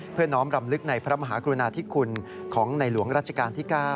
น้อมรำลึกในพระมหากรุณาธิคุณของในหลวงรัชกาลที่๙